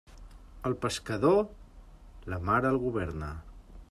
El pescador, la mar el governa.